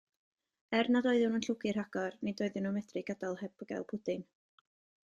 Er nad oeddwn yn llwgu rhagor, nid oeddwn yn medru gadael heb gael pwdin!